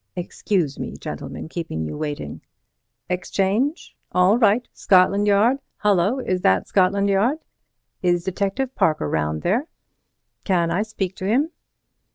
Excuse me, gentlemen, keeping you waiting.—Exchange! all right—Scotland Yard—Hullo! Is that Scotland Yard?—Is Detective Parker round there?—Can I speak to him?